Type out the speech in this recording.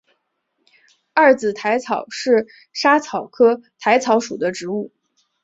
二籽薹草是莎草科薹草属的植物。